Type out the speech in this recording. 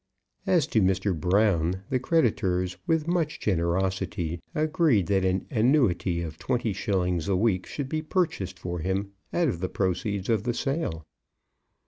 As to Mr. Brown, the creditors with much generosity agreed that an annuity of 20_s._ a week should be purchased for him out of the proceeds of the sale.